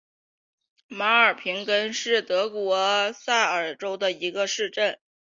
马尔平根是德国萨尔州的一个市镇。